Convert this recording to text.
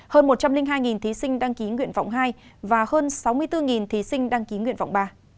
hơn một trăm linh hai thí sinh đăng ký nguyện vọng hai và hơn sáu mươi bốn thí sinh đăng ký nguyện vọng ba